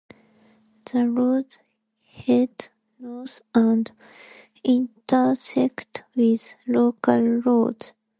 The roads head north and intersect with local roads.